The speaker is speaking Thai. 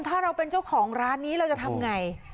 ถ้าเราเป็นเจ้าของร้านนี้เราจะทำไง